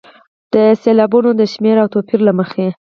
د سېلابونو د شمېر او توپیر له مخې.